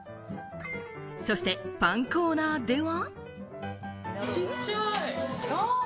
そしてパンコーナーでは。